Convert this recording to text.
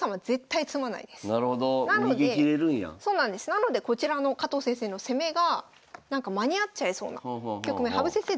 なのでこちらの加藤先生の攻めが間に合っちゃいそうな局面羽生先生